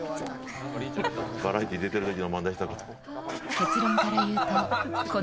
バラエティー出てるときの萬田久子。